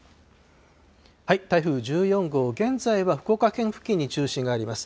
台風１４号、現在は福岡県付近に中心があります。